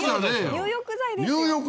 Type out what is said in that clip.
入浴剤ですよ。